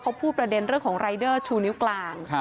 เขาพูดประเด็นเรื่องของรายเดอร์ชูนิ้วกลาง